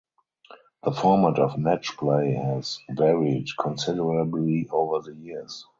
The format of match play has varied considerably over the years.